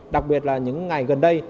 đặc biệt là những ngày gần đây